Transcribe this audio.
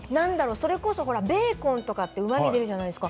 それこそベーコンとかうまみが出るじゃないですか。